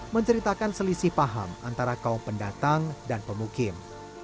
menceritakan selisih paham antara kaum pendatang dan pemukim